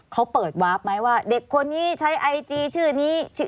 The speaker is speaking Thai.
เขาเปิดวาร์ฟไหมว่าเด็กคนนี้ใช้ไอจีชื่อนี้ชื่อ